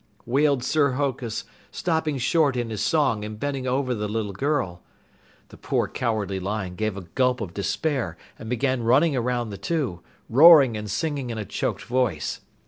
wailed Sir Hokus, stopping short in his song and bending over the little girl. The poor Cowardly Lion gave a gulp of despair and began running around the two, roaring and singing in a choked voice.